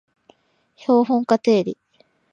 標本化定理